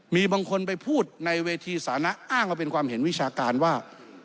มีบางคนไปพูดในเวทีสานะอ้างว่าเป็นความเห็นวิชาการว่า